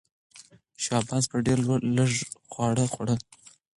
شاه عباس به ډېر لږ خواړه خوړل.